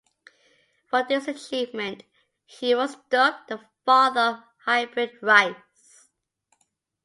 For this achievement, he was dubbed the Father of Hybrid Rice.